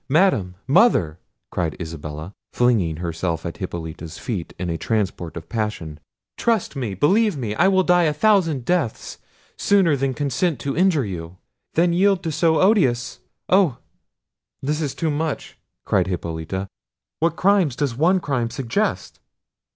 madam! mother!" cried Isabella, flinging herself at Hippolita's feet in a transport of passion; "trust me, believe me, I will die a thousand deaths sooner than consent to injure you, than yield to so odious—oh!—" "This is too much!" cried Hippolita: "What crimes does one crime suggest!